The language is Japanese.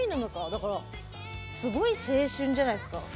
だからすごい青春じゃないですか。